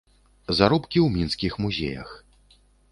Заробкі ў мінскіх музеях.